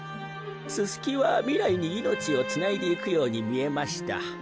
ススキはみらいにいのちをつないでいくようにみえました。